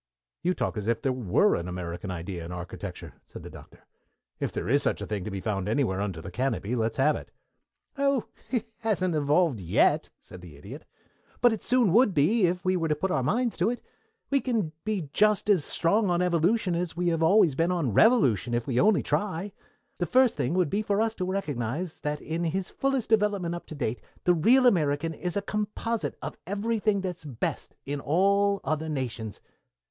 "You talk as if there were an American idea in architecture," said the Doctor. "If there is such a thing to be found anywhere under the canopy, let's have it." "Oh, it hasn't been evolved, yet," said the Idiot. "But it soon would be if we were to put our minds on it. We can be just as strong on evolution as we always have been on revolution if we only try. The first thing would be for us to recognize that in his fullest development up to date the real American is a composite of everything that is best in all other nations.